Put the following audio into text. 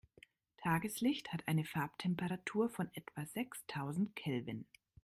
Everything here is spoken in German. Tageslicht hat eine Farbtemperatur von etwa sechstausend Kelvin.